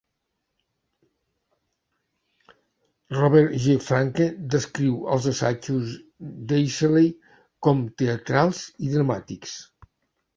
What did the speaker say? Robert G. Franke descriu els assajos d'Eiseley com teatrals i dramàtics.